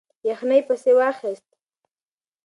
یخنۍ پسې واخیست.